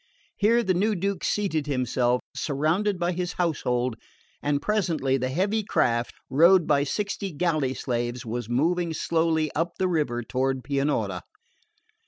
Here the new Duke seated himself, surrounded by his household, and presently the heavy craft, rowed by sixty galley slaves, was moving slowly up the river toward Pianura.